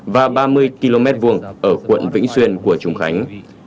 và ba mươi km vuông ở quận vĩnh xuyên của trung khánh